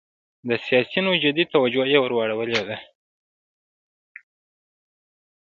د سیاسینو جدي توجه یې وراړولې وه.